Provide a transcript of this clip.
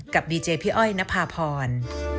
กับดีเจย์พี่อ้อยณพาพร